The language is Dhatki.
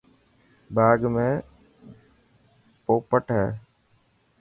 باغ ۾ پوپٽ هي.